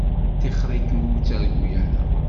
Tixeṛ-ikem ur ttargu ara.